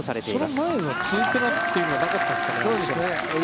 その前も２ペナというのはなかったですか？